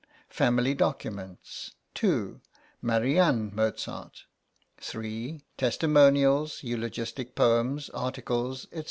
Family documents. 2. Marianne Mozart. 3. Testimonials, eulogistic poems, articles, &c.